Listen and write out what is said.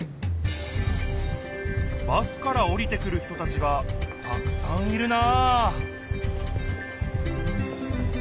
バスからおりてくる人たちがたくさんいるな！